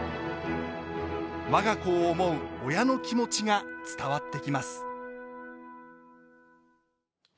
わが子を思う親の気持ちが伝わってきます。